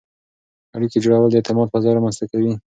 اړیکې جوړول د اعتماد فضا رامنځته کوي.